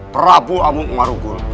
prabu amuk marugol